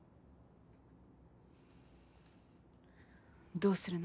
どうするの？